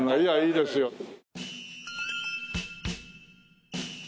いやいいですよ。